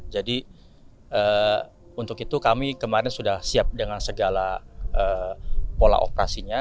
jadi untuk itu kami kemarin sudah siap dengan segala pola operasinya